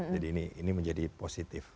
jadi ini menjadi positif